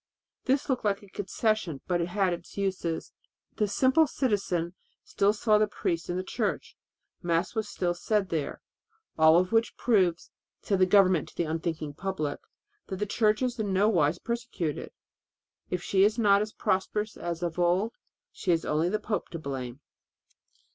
This looked like a concession, but it had its uses. The simple citizen still saw the priest in the church; Mass was still said there. "All of which proves," said the government to the unthinking public, "that the Church is in nowise persecuted; if she is not as prosperous as of old, she has only the pope to blame."